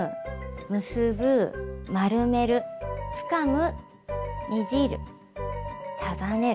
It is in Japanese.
「結ぶ」「丸める」「つかむ」「ねじる」「束ねる」